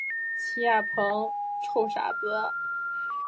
邦达仓家族自昌都发展为西藏的权贵。